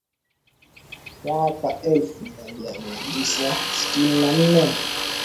mwaaka elfu moja mia tisa sitini na nne